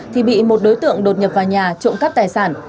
thì bị một đối tượng đột nhập vào nhà trộm cắp tài sản